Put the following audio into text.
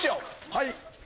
はい。